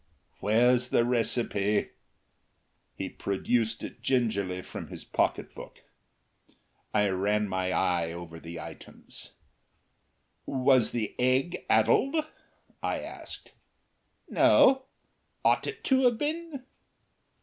"Where's the recipe?" He produced it gingerly from his pocket book. I ran my eye over the items. "Was the egg addled?" I asked. "No. Ought it to have been?"